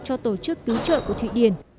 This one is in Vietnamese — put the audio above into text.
cho tổ chức cứu trợ của thụy điển